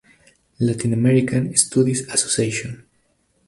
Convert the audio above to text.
Latin American Studies Association.